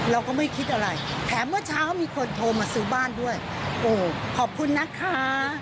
เราก็ไม่คิดอะไรแถมเมื่อเช้ามีคนโทรมาซื้อบ้านด้วยโอ้ขอบคุณนะคะ